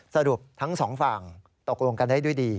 สรุปทั้งสองฝั่งตกลงกันได้ด้วยดี